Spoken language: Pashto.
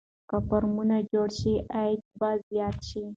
که فارمونه جوړ شي عاید به زیات شي.